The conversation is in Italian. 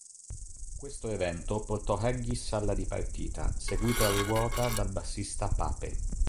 Questo evento portò Haggis alla dipartita, seguito a ruota dal bassista Pape.